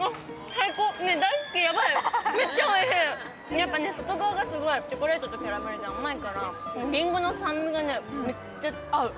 やっぱ外側がすごいチョコレートとキャラメルで甘いからりんごの酸味がね、めっちゃ合う。